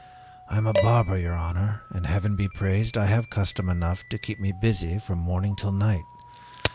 I am a barber, your honor, and Heaven be praised! I have custom enough to keep me busy from morning till night.